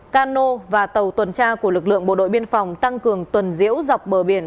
cano và tàu tuần tra của lực lượng bộ đội biên phòng tăng cường tuần diễu dọc bờ biển